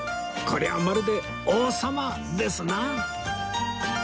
これはまるで王様ですな